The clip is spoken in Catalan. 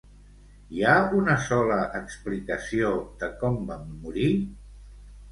Hi ha una sola explicació de com van morir?